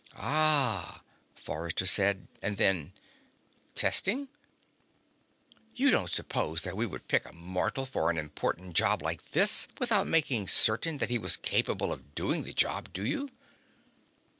"Ah," Forrester said, and then: "Testing?" "You don't suppose that we would pick a mortal for an important job like this without making certain that he was capable of doing the job, do you?"